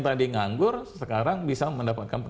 tadi nganggur sekarang bisa mendapatkan